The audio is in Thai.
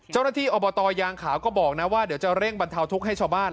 เจ้าหน้าที่อบตยางขาวก็บอกนะว่าเดี๋ยวจะเร่งบรรเทาทุกข์ให้ชาวบ้าน